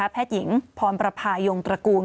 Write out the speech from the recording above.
ผ้าทหญิงพรประพัยยงตระกูล